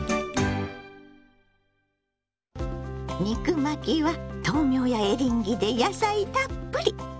肉巻きは豆苗やエリンギで野菜たっぷり！